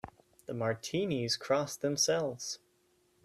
The Martinis cross themselves.